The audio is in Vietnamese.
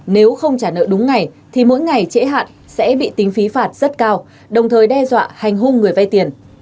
nếu không trả nợ đúng ngày thì mỗi ngày trễ hạn sẽ bị tính phí phạt rất cao đồng thời đe dọa hành hung người vay tiền